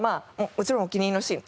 もちろんお気に入りのシーン